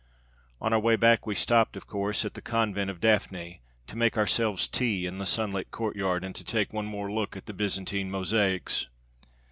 On our way back we stopped, of course, at the Convent of Daphne, to make ourselves tea in the sunlit courtyard, and to take one more look at the Byzantine mosaics.